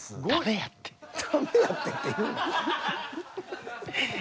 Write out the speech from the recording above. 「ダメやって」って言うな。